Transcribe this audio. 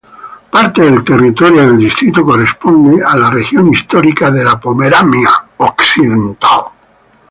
Parte del territorio del distrito corresponde a la región histórica de Pomerania Occidental.